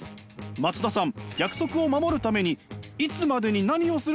松田さん。